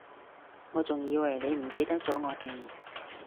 我仲以為你唔記得咗我哋